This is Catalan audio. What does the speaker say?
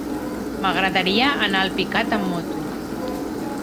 M'agradaria anar a Alpicat amb moto.